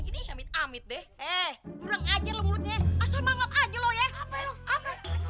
ini tuh bukan salahnya polilis